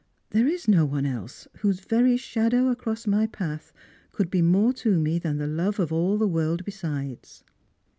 There is no one else whose very shadow ac^ross my path could be more to me than the love of all the world besides."